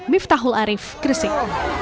miftahul arif gresik